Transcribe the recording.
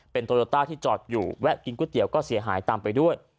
โตโยต้าที่จอดอยู่แวะกินก๋วยเตี๋ยวก็เสียหายตามไปด้วย